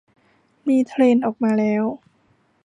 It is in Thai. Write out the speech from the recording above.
มีเทรนด์ออกมาแล้ว